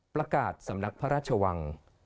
พระกาศพระสมนักพระราชวัง